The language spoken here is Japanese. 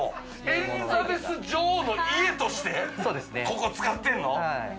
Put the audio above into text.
エリザベス女王の家として、ここ使ってんの？